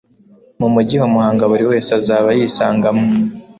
mu mugi wa Muhanga buri wese azaba yisangamo